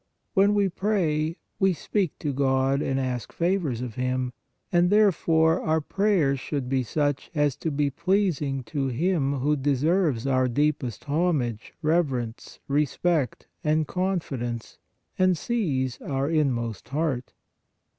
When we pray, we speak to God and ask favors of Him ; and therefore our prayers should be such as to be pleas ing to Him, who deserves our deepest homage, reverence, respect and confidence and sees our in most heart.